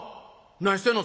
何してんの？